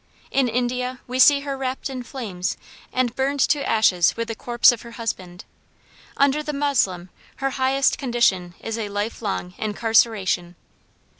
In India we see her wrapped in flames and burned to ashes with the corpse of her husband. Under the Moslem her highest condition is a life long incarceration.